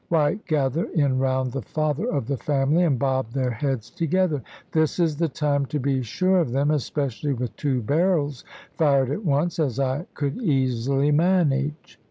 Why, gather in round the father of the family, and bob their heads together. This is the time to be sure of them, especially with two barrels fired at once, as I could easily manage.